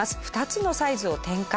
２つのサイズを展開。